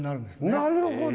なるほど！